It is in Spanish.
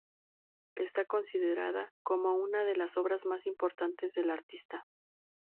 Está considerada como una de las obras más importantes del artista.